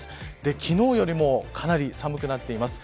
昨日よりもかなり寒くなっています。